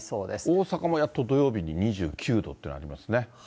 大阪もやっと土曜日に２９度っていうのありますね。